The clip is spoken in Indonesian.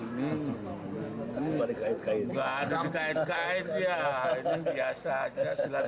ini tidak ada kait kaitnya ini biasa saja silahkan